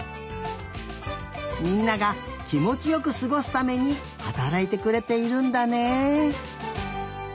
みんながきもちよくすごすためにはたらいてくれているんだね。